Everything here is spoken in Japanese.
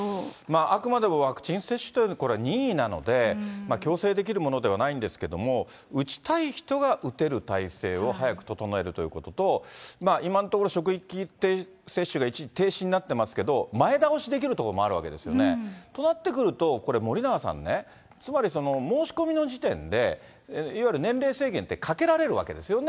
あくまでもワクチン接種というのは任意なので、強制できるものではないんですけれども、打ちたい人が打てる体制を早く整えるということと、今のところ、職域接種が一時停止になってますけど、前倒しできる所もあるわけですよね。となってくると、これ、森永さんね、つまり、その申し込みの時点でいわゆる年齢制限ってかけられるわけですよね。